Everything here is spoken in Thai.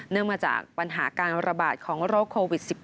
มาจากปัญหาการระบาดของโรคโควิด๑๙